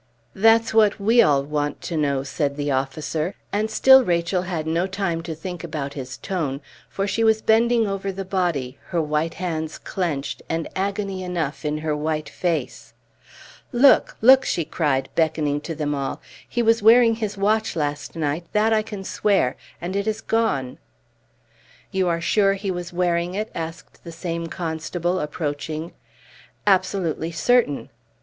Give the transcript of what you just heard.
"That's what we all want to know," said the officer; and still Rachel had no time to think about his tone; for now she was bending over the body, her white hands clenched, and agony enough in her white face. "Look! look!" she cried, beckoning to them all. "He was wearing his watch last night; that I can swear; and it has gone!" "You are sure he was wearing it?" asked the same constable, approaching. "Absolutely certain."